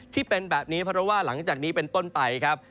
ที่เป็นแบบนี้เพราะว่าหลังจากนี้เป็นต้นไปครับ